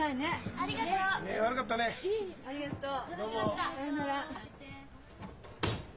ああありがとう。